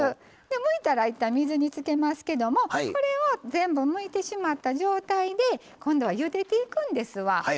むいたらいったん、水につけますけどこれを全部むいてしまった状態で今度はゆでていくんですわ。